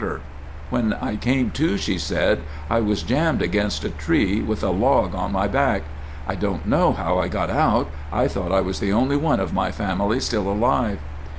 Forest Service)] "When I came to," she said, "I was jammed against a tree with a log on my back. I don't know how I got out. I thought I was the only one of my family still alive."